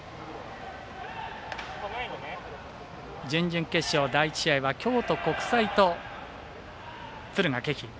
準々決勝、第１試合は京都国際と敦賀気比。